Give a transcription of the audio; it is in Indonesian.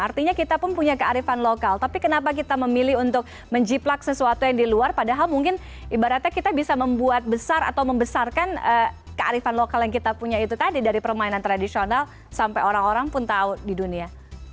artinya kita pun punya kearifan lokal tapi kenapa kita memilih untuk menjiplak sesuatu yang di luar padahal mungkin ibaratnya kita bisa membuat besar atau membesarkan kearifan lokal yang kita punya itu tadi dari permainan tradisional sampai orang orang pun tahu di dunia